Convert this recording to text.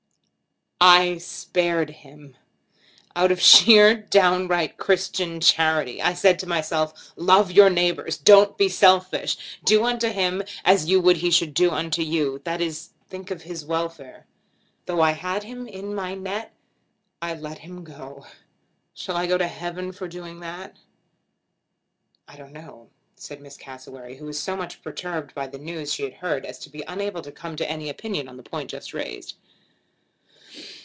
"I spared him; out of sheer downright Christian charity! I said to myself 'Love your neighbours.' 'Don't be selfish.' 'Do unto him as you would he should do unto you,' that is, think of his welfare. Though I had him in my net, I let him go. Shall I go to heaven for doing that?" "I don't know," said Miss Cassewary, who was so much perturbed by the news she had heard as to be unable to come to any opinion on the point just raised.